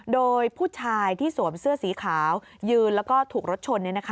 โดยผู้ชายที่สวมเสื้อสีขาวยืนแล้วก็ถูกรถชน